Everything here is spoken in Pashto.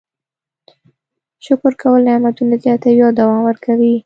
شکر کول نعمتونه زیاتوي او دوام ورکوي.